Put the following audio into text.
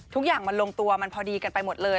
ทุกอย่างมันลงตัวมันพอดีกันไปหมดเลย